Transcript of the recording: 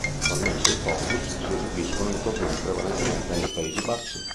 Attualmente i Focus si esibiscono in "tournée" prevalentemente nei Paesi Bassi.